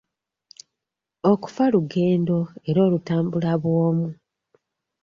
Okufa lugendo era olutambula bw'omu.